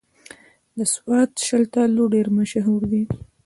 د سوات شلتالو ډېر مشهور دي